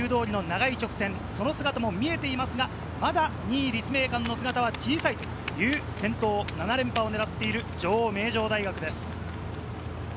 秋保通の長い直線、その姿も見えていますが、まだ２位、立命館の姿は小さいという先頭、７連覇を狙っている女王、名城大学です。